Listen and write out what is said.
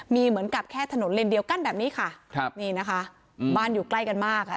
มีเหมือนกับแค่ถนนเลนเดียวกั้นแบบนี้ค่ะครับนี่นะคะอืมบ้านอยู่ใกล้กันมากอ่ะ